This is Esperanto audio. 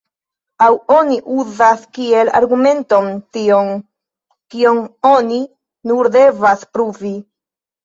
Aŭ oni uzas kiel argumenton tion, kion oni nur devas pruvi.